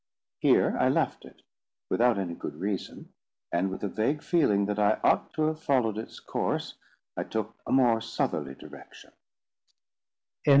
Here I left it, without any good reason: and with a vague feeling that I ought to have followed its course, I took a more southerly direction.